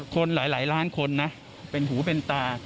คนหลายล้านคนนะเป็นหูเป็นตา